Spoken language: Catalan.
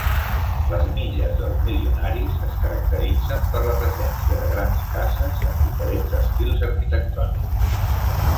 Les milles dels milionaris es caracteritzen per la presència de grans cases en diferents estils arquitectònics.